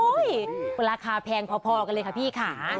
ราคาแพงพอกันเลยค่ะพี่ค่ะ